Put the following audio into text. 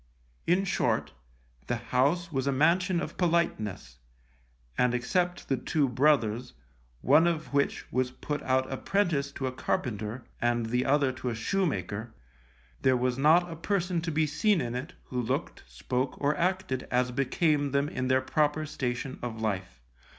In short, the house was a mansion of politeness, and except the two brothers, one of which was put out apprentice to a carpenter, and the other to a shoemaker, there was not a person to be seen in it who looked, spoke or acted as became them in their proper station of life.